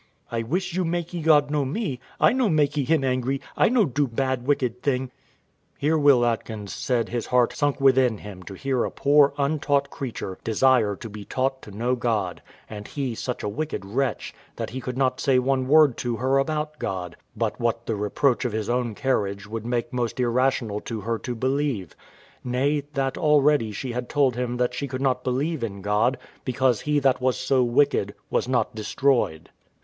Wife. I wish you makee God know me. I no makee Him angry I no do bad wicked thing. [Here Will Atkins said his heart sunk within him to hear a poor untaught creature desire to be taught to know God, and he such a wicked wretch, that he could not say one word to her about God, but what the reproach of his own carriage would make most irrational to her to believe; nay, that already she had told him that she could not believe in God, because he, that was so wicked, was not destroyed.